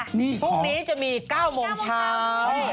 พวกนี้จะมี๙โมงเช้า